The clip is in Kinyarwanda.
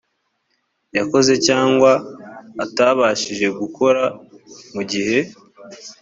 yakoze cyangwa atabashije gukora mu gihe